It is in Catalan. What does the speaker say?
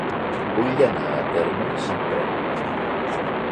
Vull anar a Térmens amb tren.